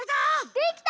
できた！